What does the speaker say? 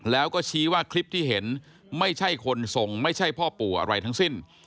แล้วก็ชี้ว่าคลิปที่เห็นไม่ใช่คนทรงไม่ใช่พ่อปู่อะไรทั้งสิ้น